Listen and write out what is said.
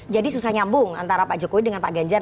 jadi susah nyambung antara pak jokowi dengan pak ganjar